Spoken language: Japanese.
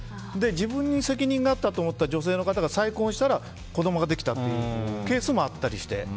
自分に責任があったと思ってた女性の方が再婚したら子供ができたというケースもあったりして。